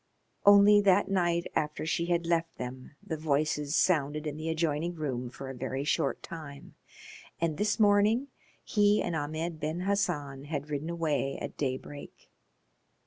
Only that night after she had left them the voices sounded in the adjoining room for a very short time. And this morning he and Ahmed Ben Hassan had ridden away at daybreak.